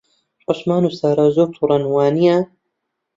عوسمان و سارا زۆر تووڕەن، وانییە؟